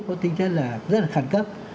có tính chất là rất là khẳng cấp